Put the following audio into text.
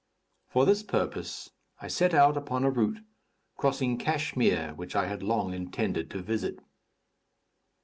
For this purpose I set out upon a route crossing Kachmyr (Cashmere), which I had long intended to visit.